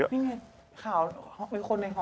เมื่อข่าวเมื่อคนในหอ